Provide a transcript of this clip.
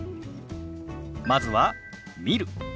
まずは「見る」。